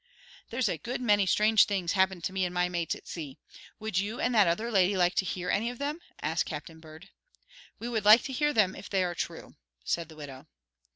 "There's a good many strange things happened to me and my mates at sea. Would you and that other lady like to hear any of them?" asked Captain Bird. "We would like to hear them if they are true," said the widow.